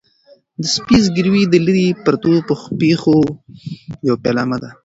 د سپي زګیروی د لیرې پرتو پېښو یو پیلامه ده.